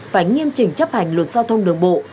phải nghiêm chỉnh chấp hành luật giao thông đường bộ